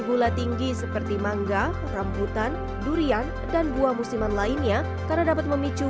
gula tinggi seperti mangga rambutan durian dan buah musiman lainnya karena dapat memicu